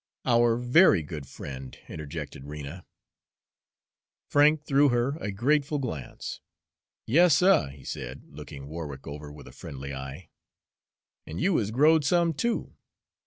"Our very good friend," interjected Rena. Frank threw her a grateful glance. "Yas, suh," he said, looking Warwick over with a friendly eye, "an' you is growed some, too.